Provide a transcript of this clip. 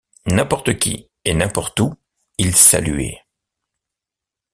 N’importe qui, et n’importe où, il saluait.